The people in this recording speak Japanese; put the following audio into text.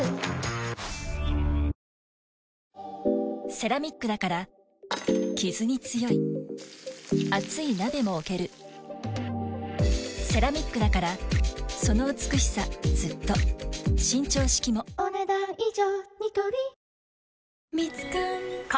セラミックだからキズに強い熱い鍋も置けるセラミックだからその美しさずっと伸長式もお、ねだん以上。